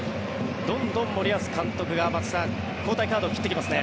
どんどん森保監督が松木さん交代カードを切ってきますね。